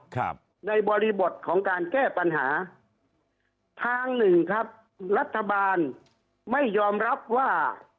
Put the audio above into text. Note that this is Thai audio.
ครับในบริบทของการแก้ปัญหาทางหนึ่งครับรัฐบาลไม่ยอมรับว่า